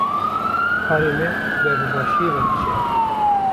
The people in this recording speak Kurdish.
Karê me ber bi başiyê ve diçe.